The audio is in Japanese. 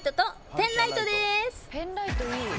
「ペンライトいい」